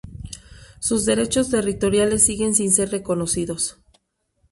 Sus derechos territoriales siguen sin ser reconocidos.